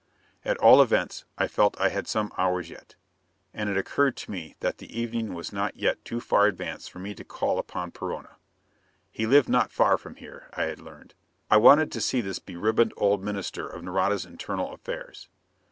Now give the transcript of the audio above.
At all events I felt that I had some hours yet. And it occurred to me that the evening was not yet too far advanced for me to call upon Perona. He lived not far from here, I had learned. I wanted to see this beribboned old Minister of Nareda's Internal Affairs.